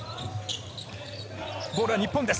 ボールは日本です。